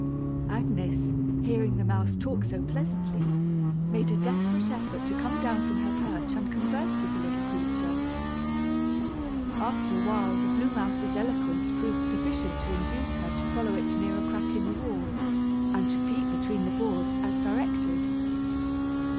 Agnes, hearing the mouse talk so pleasantly, made a desperate effort to come down from her perch and converse with the little creature. After a while the blue mouse's eloquence proved sufficient to induce her to follow it near a crack in the wall, and to peep between the boards, as directed.